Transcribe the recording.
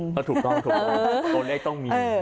ถูกต้องตัวเลขต้องมี